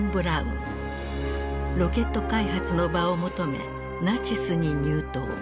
ロケット開発の場を求めナチスに入党。